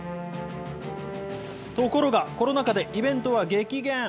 ところが、コロナ禍でイベントは激減。